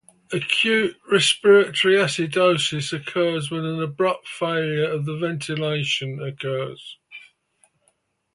Acute respiratory acidosis occurs when an abrupt failure of ventilation occurs.